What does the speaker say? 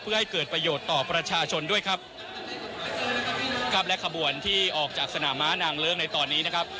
เพื่อให้เกิดประโยชน์ต่อประชาชนด้วยครับครับและขบวนที่ออกจากสนามม้านางเลิ้งในตอนนี้นะครับ